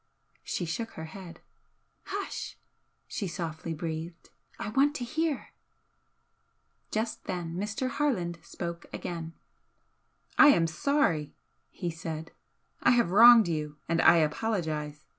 She shook her head. "Hush!" she softly breathed "I want to hear!" Just then Mr. Harland spoke again. "I am sorry!" he said "I have wronged you and I apologise.